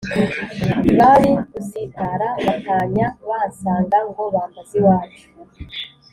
Bari gusitara Batanya bansanga Ngo bambaze iwacu !